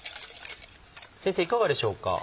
先生いかがでしょうか？